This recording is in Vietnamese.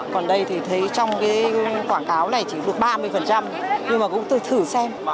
còn đây thì thấy trong cái quảng cáo này chỉ được ba mươi nhưng mà cũng tôi thử xem